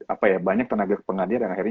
apa ya banyak tenaga pengadian yang akhirnya